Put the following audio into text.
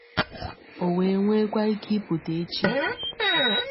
o wee nwekwa ike pụta echi